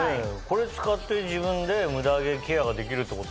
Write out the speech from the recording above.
これ使って自分でムダ毛ケアができるってことですか？